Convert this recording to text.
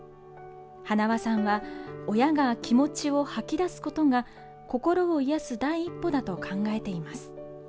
塙さんは、親が気持ちを吐き出すことが心を癒やす第一歩だと考えています。